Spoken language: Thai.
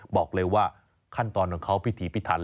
บอกเลยว่าขั้นตอนของเขาพิธีพิถัน